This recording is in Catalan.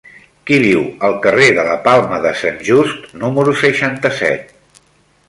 Qui viu al carrer de la Palma de Sant Just número seixanta-set?